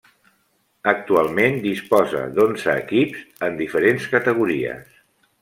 Actualment disposa d'onze equips en diferents categories.